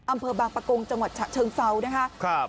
อำเภอบางประกงจังหวัดเชิงเฟ้านะคะครับ